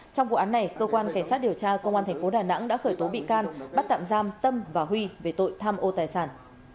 trong vụ án này cơ quan cảnh sát điều tra công an tp đà nẵng đã khởi tố bị can bắt tạm giam tâm và huy về tội tham ô tài sản